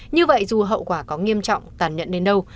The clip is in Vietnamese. như vậy dù hậu quả có nghiêm trọng tàn nhận đến đâu